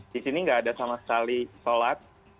di sini nggak ada sama sekali sholat